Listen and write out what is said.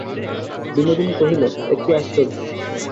বিনোদিনী কহিল, এ কী আশ্চর্য।